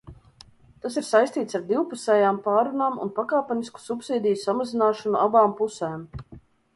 Tas ir saistīts ar divpusējām pārrunām un pakāpenisku subsīdiju samazināšanu abām pusēm.